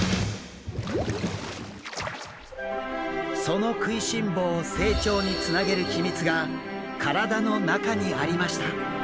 その食いしん坊を成長につなげる秘密が体の中にありました。